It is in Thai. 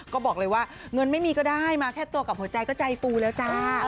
ก็บอกเลยว่าเงินไม่มีก็ได้มาแค่ตัวกับหัวใจก็ใจฟูแล้วจ้า